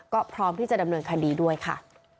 ก็พร้อมที่จะดำเนินคดีด้วยค่ะ